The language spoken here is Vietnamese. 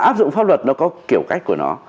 áp dụng pháp luật nó có kiểu cách của nó